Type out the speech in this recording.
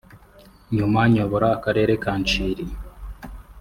nyuma nyobora Akarere ka Nshiri